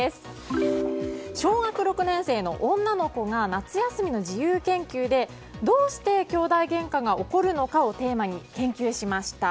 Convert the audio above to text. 小学６年生の女の子が夏休みの自由研究でどうしてきょうだいげんかが起こるのかをテーマに研究しました。